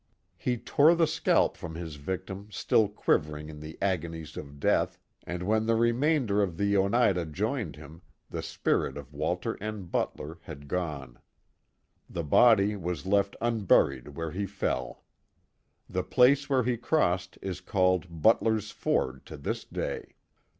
He tore the scalp from his victim still quivering in the agonies of death, and when the remainder of the Onei das joined him, the spirit ot Walter N. Butler had gone. The body was left unburied where he fell. The place where he crossed is called Butler's Ford to this day.